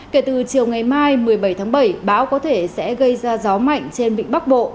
kể từ chiều ngày mai một mươi bảy tháng bảy bão có thể sẽ gây ra gió mạnh trên vịnh bắc bộ